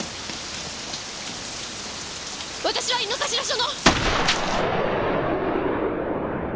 私は井の頭署の。